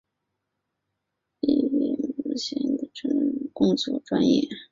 毕业于二炮指挥学院军队政治工作专业。